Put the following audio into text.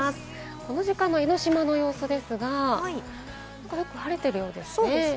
この時間の江の島の様子ですが、晴れているようですね。